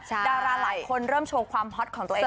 ดาราหลายคนเริ่มโชว์ความฮอตของตัวเอง